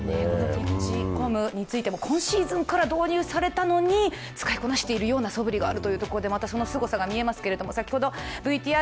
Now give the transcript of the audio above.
ピッチコムについても、今シーズンから導入されたのに使いこなしてるようなそぶりがあるというそのすごさが見えますけれども。